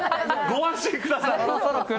ご安心ください。